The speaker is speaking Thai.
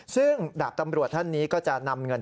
ซึ่งดาบตำรวจท่านนี้ก็จะนำเงิน